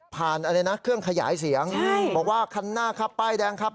อะไรนะเครื่องขยายเสียงบอกว่าคันหน้าครับป้ายแดงครับ